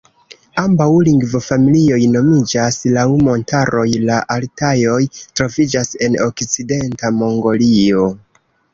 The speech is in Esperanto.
Ambaŭ lingvofamilioj nomiĝas laŭ montaroj; la Altajoj troviĝas en okcidenta Mongolio.